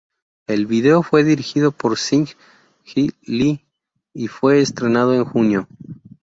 El vídeo fue dirigido por Sing J. Lee y fue estrenado en junio.